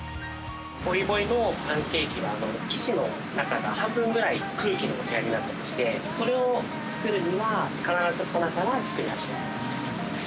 ＶｏｉＶｏｉのパンケーキは生地の中が半分くらい空気の割合になってまして、それを作るには必ず粉から作り始めます。